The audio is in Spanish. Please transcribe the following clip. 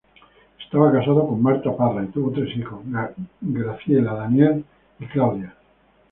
Estaba casado con Marta Parra y tuvo tres hijos, Graciela, Daniel y Claudia.